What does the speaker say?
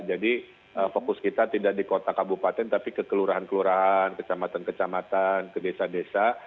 jadi fokus kita tidak di kota kabupaten tapi ke kelurahan kelurahan kecamatan kecamatan ke desa desa